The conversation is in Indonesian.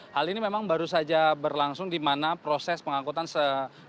hal ini memang baru saja berlangsung di mana proses pengangkutan